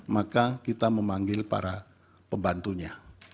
maka kita memanggil para pembantunya